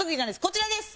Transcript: こちらです！